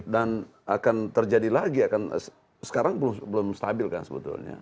dan akan terjadi lagi sekarang belum stabil kan sebetulnya